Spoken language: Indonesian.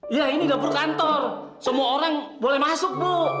iya ini dapur kantor semua orang boleh masuk bu